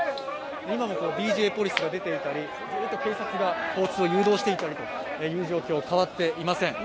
今もＤＪポリスが出ていたりずっと警察が交通を誘導したりという状況は変わっていません。